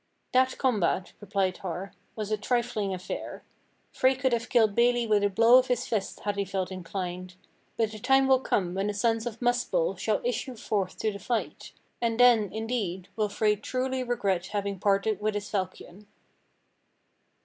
"That combat," replied Har, "was a trifling affair. Frey could have killed Beli with a blow of his fist had he felt inclined: but the time will come when the sons of Muspell shall issue forth to the fight, and then, indeed, will Frey truly regret having parted with his falchion."